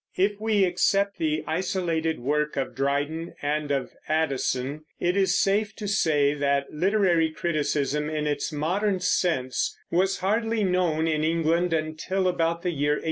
If we except the isolated work of Dryden and of Addison, it is safe to say that literary criticism, in its modern sense, was hardly known in England until about the year 1825.